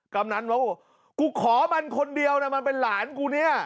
กำนันบอกว่ากูขอมันคนเดียวนะมันเป็นหลานกูเนี่ย